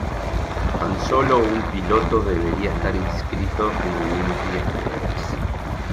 Tan sólo un piloto debería estar inscrito en al menos diez pruebas.